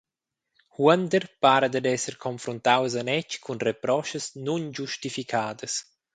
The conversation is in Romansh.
Huonder para dad esser confruntaus anetg cun reproschas nungiustificadas.